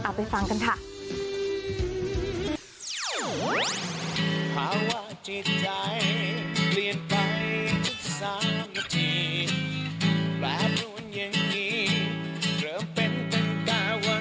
ไปฟังกันค่ะ